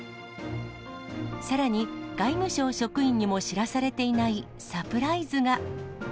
さらに、外務省職員にも知らされていないサプライズが。